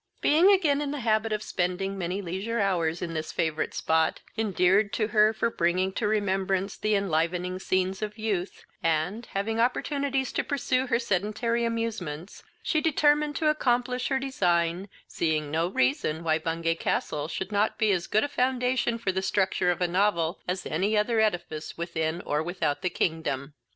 Being again in the habit of spending many leisure hours in this favourite spot, endeared to her for bringing to remembrance the enlivening scenes of youth, and, having opportunities to pursue her sedentary amusements, she determined to accomplish her design, seeing no reason why Bungay Castle should not be as good a foundation for the structure of a novel as any other edifice within or without the kingdom.